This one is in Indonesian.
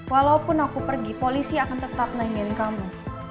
walaupun aku pergi polisi akan tetap nanyain kamu